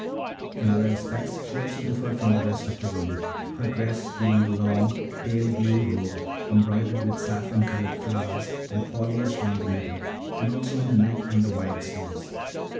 In other respects also she differed from the rest of the women, her dress being a long, pale blue robe, embroidered with saffron colored flowers and foliage down the middle, and also on the neck and the wide sleeves.